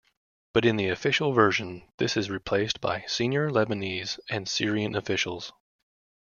But in the official version, this is replaced by "senior Lebanese and Syrian officials".